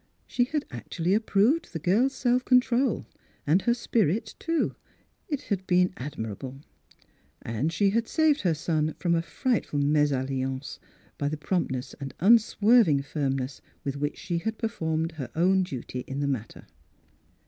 She had actually approved the girl's self control, and her spirit, too ; it had been admirable. And she had saved her son from a frightful mesalliance by the Mdss Pkilura's Wedding Gown promptness and unswerving firmness with which she had performed her own duty in the matter.